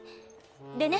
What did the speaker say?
でね